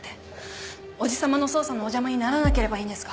おじ様の捜査のお邪魔にならなければいいんですが。